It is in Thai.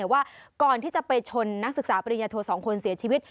ว่าก่อนที่จะไปชนนักศึกษาปริญญาโท๒คนเสียชีวิต